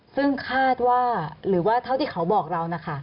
ซึ่งคาดว่าหรือว่าเท่าที่เขาบอกเรานะคะ